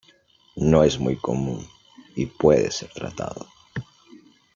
No es muy común y puede ser tratado.